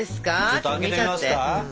ちょっと開けてみますか？